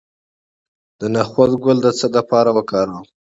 د نخود ګل د څه لپاره وکاروم؟